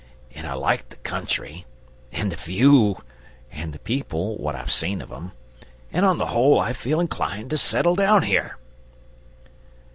And I like the country, and the view, and the people what I've seen of 'em and on the whole I feel inclined to settle down here."